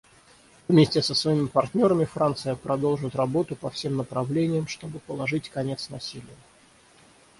Вместе со своими партнерами Франция продолжит работу по всем направлениям, чтобы положить конец насилию.